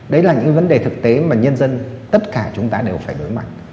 đấy là những vấn đề thực tế mà nhân dân tất cả chúng ta đều phải đối mặt